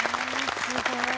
すごい。